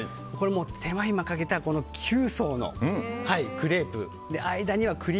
手間暇かけた９層のクレープ。